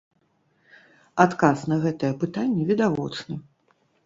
Адказ на гэтыя пытанні відавочны.